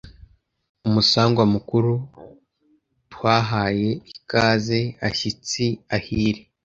Umusangwa mukuru: Tuahaye ikaze ashyitsi ahire